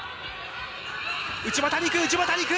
内股にいく、内股にいく。